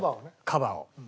カバーを。